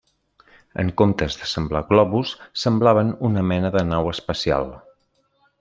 En comptes de semblar globus, semblaven una mena de nau espacial.